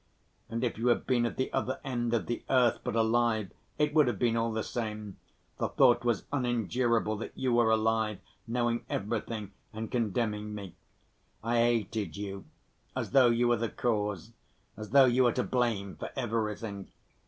And if you had been at the other end of the earth, but alive, it would have been all the same, the thought was unendurable that you were alive knowing everything and condemning me. I hated you as though you were the cause, as though you were to blame for everything.